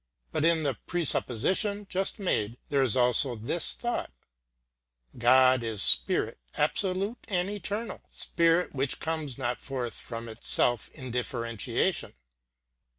But in the presupposition just made there is also this thought God is spirit, absolute and eternal; spirit [pg 142]which comes not forth from itself in differentiation.